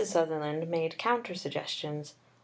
Sutherland made counter suggestions.